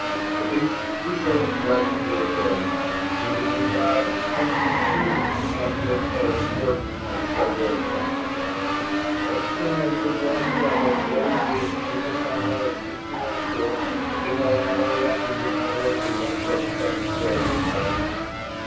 To this we shall presently return. In the meanwhile Captain Keymis acted as warden of Sherborne Castle. As soon as the warm weather closed in, in the summer of 1604, the malaria in the Tower began to affect Raleigh's health.